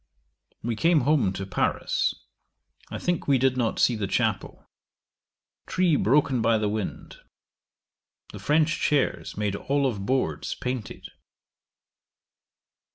We came home to Paris. I think we did not see the chapel. Tree broken by the wind. The French chairs made all of boards painted.